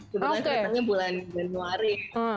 sebenarnya ceritanya bulan januari